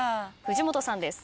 藤本さんです。